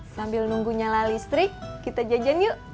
sambil nunggu nyala listrik kita jajan yuk